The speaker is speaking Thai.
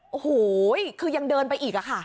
โอ้โหคือยังเดินไปอีกอะค่ะ